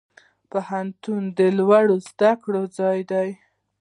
پوهنتون د لوړو زده کړو ځای دی